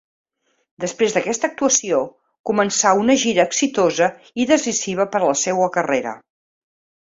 Després d'aquesta actuació, començà una gira exitosa i decisiva per a la seua carrera.